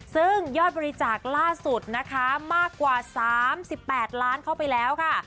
ซึ่งยอดบริจาคล่าสุดนะคะมากกว่า๓๘ล้านเข้าไปแล้วค่ะ